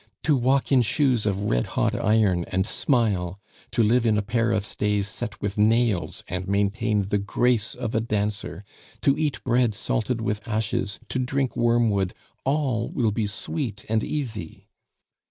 "To walk in shoes of red hot iron and smile, to live in a pair of stays set with nails and maintain the grace of a dancer, to eat bread salted with ashes, to drink wormwood, all will be sweet and easy!"